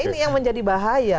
ini yang menjadi bahaya